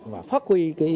và phát huy